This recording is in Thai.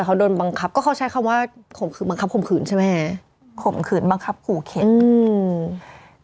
เขาโดนบังคับก็เขาใช้คำว่าข่มขืนบังคับข่มขืนใช่ไหมฮะข่มขืนบังคับขู่เข็นอืม